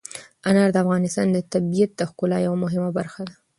انار د افغانستان د طبیعت د ښکلا یوه مهمه برخه ده.